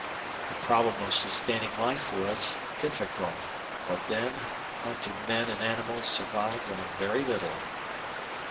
The problem of sustaining life was difficult; but, then, hunted men and animals survived on very little.